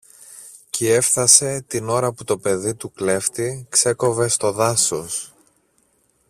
κι έφθασε την ώρα που το παιδί του κλέφτη ξέκοβε στο δάσος.